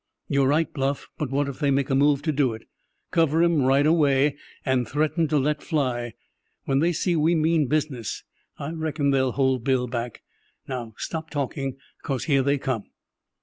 "You're right, Bluff; but what if they make a move to do it?" "Cover 'em right away, and threaten to let fly; when they see we mean business, I reckon they'll hold Bill back. Now stop talking, because here they come!"